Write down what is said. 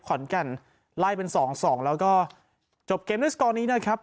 ขอนแก่นไล่เป็นสองสองแล้วก็จบเกมด้วยสกอร์นี้นะครับ